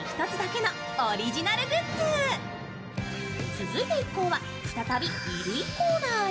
続いて一行は、再び衣類コーナーへ。